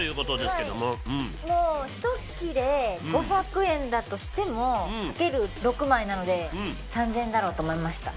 もう１切れ５００円だとしても掛ける６枚なので３０００円だろうと思いました。